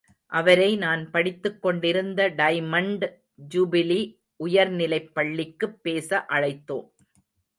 அவரை நான் படித்துக் கொண்டிருந்த டைமண்ட் ஜூபிலி உயர்நிலைப் பள்ளிக்குப் பேச அழைத்தோம்.